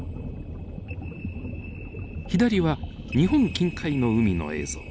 左は日本近海の海の映像。